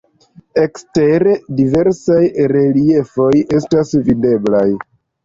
Ekstere diversaj reliefoj estas videblaj.